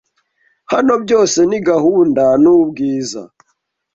Hano byose ni gahunda n'ubwiza